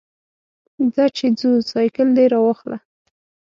ځه چې ځو، سایکل دې راواخله.